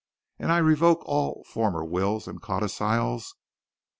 And I revoke all former wills and codicils.